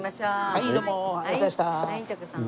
はい。